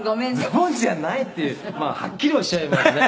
「“ズボンじゃない”っていうはっきりおっしゃいますね」